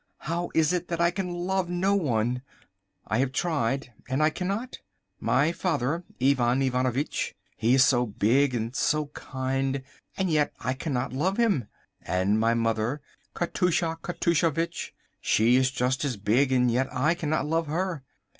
How is it that I can love no one? I have tried and I cannot. My father—Ivan Ivanovitch—he is so big and so kind, and yet I cannot love him; and my mother, Katoosha Katooshavitch, she is just as big, and yet I cannot love her.